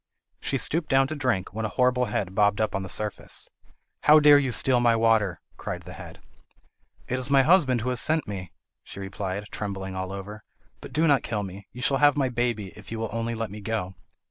She stooped down to drink, when a horrible head bobbed up on the surface. "How dare you steal my water?" cried the head. "It is my husband who has sent me," she replied, trembling all over. "But do not kill me! You shall have my baby, if you will only let me go."